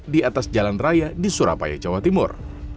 di atas jalan raya di surabaya jawa timur